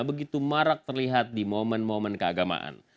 begitu marak terlihat di momen momen keagamaan